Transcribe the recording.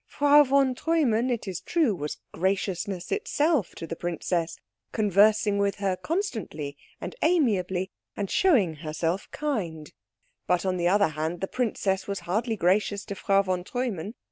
Frau von Treumann, it is true, was graciousness itself to the princess, conversing with her constantly and amiably, and showing herself kind; but, on the other hand, the princess was hardly gracious to Frau von Treumann.